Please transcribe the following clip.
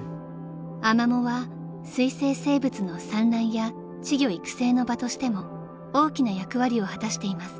［アマモは水生生物の産卵や稚魚育成の場としても大きな役割を果たしています］